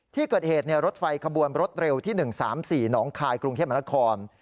ที่เกิดเหตุรถไฟขบวนรถเร็วที่๑๓๔หนองคายกรุงเทพมนาคม